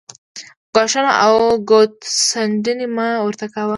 ګواښونه او ګوت څنډنې مه ورته کاوه